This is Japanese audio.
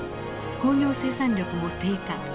工業生産力も低下。